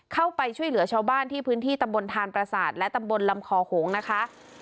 เข้าไปช่วยเหลือชาวบ้านที่พื้นที่ตำบลทานประสาทและตำบลลำคอหงนะคะ